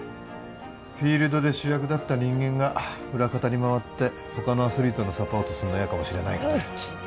フィールドで主役だった人間が裏方に回って他のアスリートのサポートするの嫌かもしれないがね